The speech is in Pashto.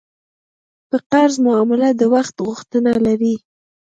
په قرض معامله د وخت غوښتنه لري.